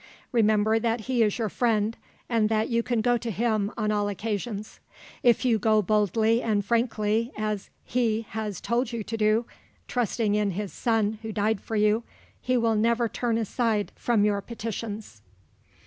Remember that He is your friend, and that you can go to Him on all occasions. If you go boldly and frankly, as He has told you to do, trusting in His Son who died for you, He will never turn aside from your petitions."